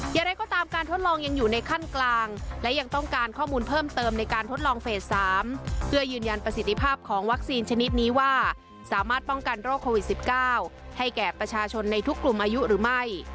อย่างไรก็ตามการทดลองยังอยู่ในขั้นกลางและยังต้องการข้อมูลเพิ่มเติมในการทดลองเฟส๓เพื่อยืนยันประสิทธิภาพของวัคซีนชนิดนี้ว่าสามารถป้องกันโรคโควิด๑๙ให้แก่ประชาชนในทุกกลุ่มอายุหรือไม่